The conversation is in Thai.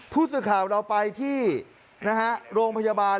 ผู้สื่อข่าวเราไปที่โรงพยาบาล